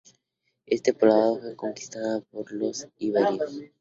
Este poblado fue conquistada por los íberos.